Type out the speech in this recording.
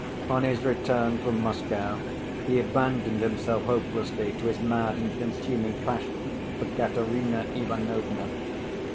On his return from Moscow, he abandoned himself hopelessly to his mad and consuming passion for Katerina Ivanovna.